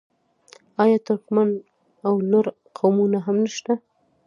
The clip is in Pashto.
آیا ترکمن او لر قومونه هم نشته؟